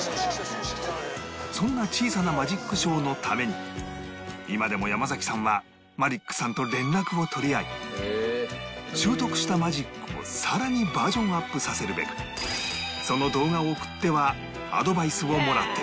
そんな小さなマジックショーのために今でも山さんはマリックさんと連絡を取り合い習得したマジックを更にバージョンアップさせるべくその動画を送ってはアドバイスをもらっている